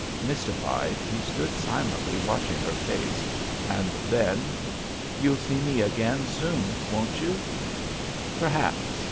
Mystified, he stood silently watching her face. And then : "You'll see me again soon, won't you?" "Perhaps.